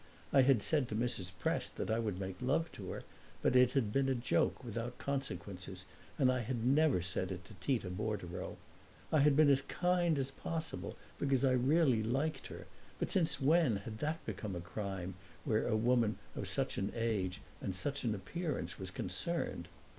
I had said to Mrs. Prest that I would make love to her; but it had been a joke without consequences and I had never said it to Tita Bordereau. I had been as kind as possible, because I really liked her; but since when had that become a crime where a woman of such an age and such an appearance was concerned?